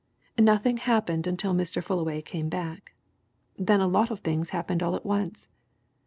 "Nothing happened until Mr. Fullaway came back. Then a lot of things happened all at once.